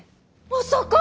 まさか！